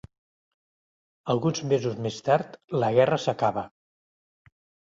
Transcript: Alguns mesos més tard, la guerra s'acaba.